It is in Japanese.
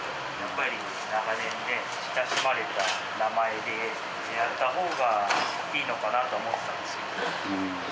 やっぱり長年ね、親しまれた名前でやったほうがいいのかなと思ってたんですけど。